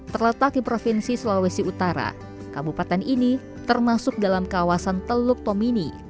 terletak di provinsi sulawesi utara kabupaten ini termasuk dalam kawasan teluk tomini